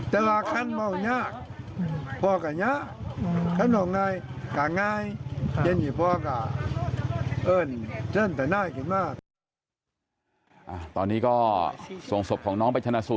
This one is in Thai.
ตอนนี้ก็ส่วนศพของน้องบัชนสุ